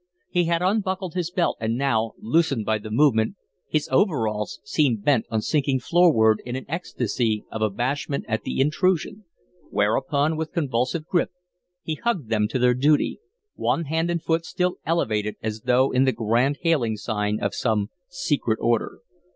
He had unbuckled his belt, and now, loosened by the movement, his overalls seemed bent on sinking floorward in an ecstasy of abashment at the intrusion, whereupon with convulsive grip he hugged them to their duty, one hand and foot still elevated as though in the grand hailing sign of some secret order.